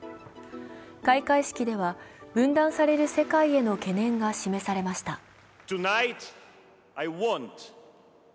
開会式では分断される世界への懸念が示されました。